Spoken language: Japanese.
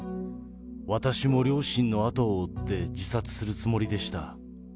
私も両親の後を追って自殺するつもりでした。